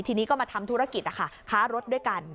ทีนี้ก็มาทำธุรกิจนะคะค้ารถด้วยกัน